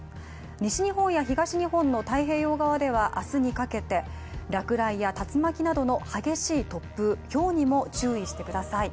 西日本や東日本の太平洋側ではあすにかけて落雷や竜巻などの激しい突風、ひょうにも注意してください。